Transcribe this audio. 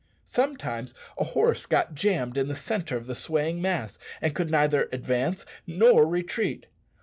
Sometimes a horse got jammed in the centre of the swaying mass, and could neither advance nor retreat.